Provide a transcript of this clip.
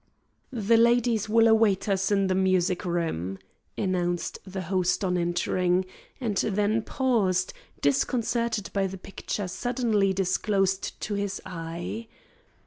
"The ladies will await us in the music room," announced the host on entering; and then paused, disconcerted by the picture suddenly disclosed to his eye.